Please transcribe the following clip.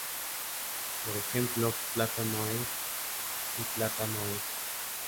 Por ejemplo: ""plata no es"" y ""plátano es"".